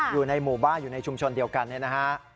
อยู่ในหมู่บ้านอยู่ในชุมชนเดียวกันเนี่ยนะฮะ